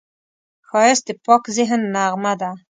ښایست د پاک ذهن نغمه ده